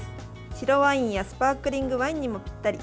白ワインやスパークリングワインにもぴったり。